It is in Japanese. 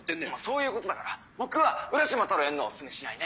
そういうことだから僕は浦島太郎やんのはオススメしないね。